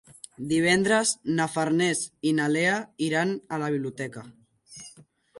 Divendres na Farners i na Lea iran a la biblioteca.